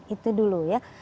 itu dulu ya